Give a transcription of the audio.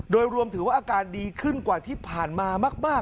โดยรวมถือว่าอาการดีขึ้นกว่าที่ผ่านมามาก